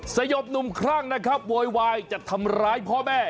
สยบหนุ่มคลั่งนะครับโวยวายจะทำร้ายพ่อแม่